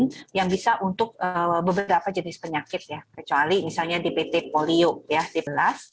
vaksin yang bisa untuk beberapa jenis penyakit ya kecuali misalnya dpt polio ya dplas